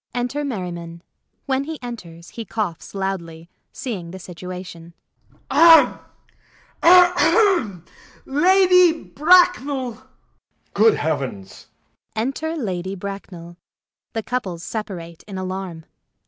] [Enter Merriman. When he enters he coughs loudly, seeing the situation.] MERRIMAN. Ahem! Ahem! Lady Bracknell! JACK. Good heavens! [Enter Lady Bracknell. The couples separate in alarm.